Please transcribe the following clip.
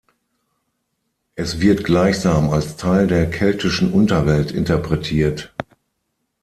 Es wird gleichsam als Teil der keltischen Unterwelt interpretiert.